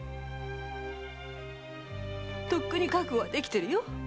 とっくに覚悟は出来てるよ。